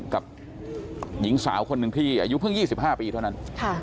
กับหญิงสาวคนหนึ่งที่อายุเพิ่ง๒๕ปีเท่านั้น